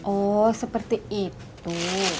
oh seperti itu